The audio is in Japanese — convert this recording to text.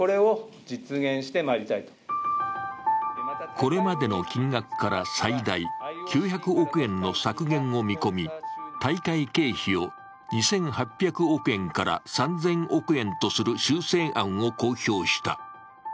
これまでの金額から最大９００億円の削減を見込み大会経費を２８００億円から３０００億円とする修正案を公表した。